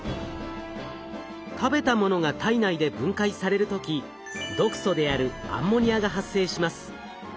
食べたものが体内で分解される時毒素であるアンモニアが発生します。